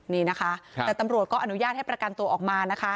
นี่นะคะแต่ตำรวจก็อนุญาตให้ประกันตัวออกมานะคะ